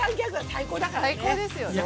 最高ですよね。